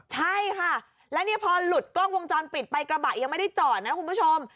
ใช่ค่ะแล้วเนี่ยพอหลุดกล้องวงจรปิดไปกระบะยังไม่ได้จอดนะคุณผู้ชม